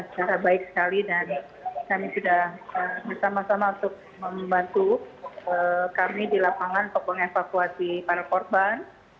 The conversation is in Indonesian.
sangat baik sekali dan kami sudah bersama sama untuk membantu kami di lapangan untuk mengevakuasi para korban